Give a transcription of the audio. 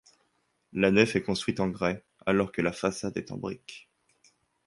La nef est construite en grès alors que la façade est en brique.